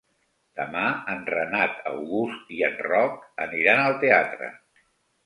Demà en Renat August i en Roc aniran al teatre.